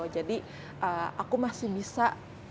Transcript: jadi aku masih bisa